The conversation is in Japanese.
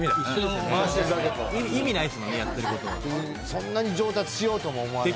そんなに上達しようとも思わない。